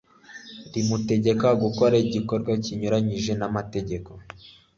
rimutegeka gukora igikorwa kinyuranyije namategeko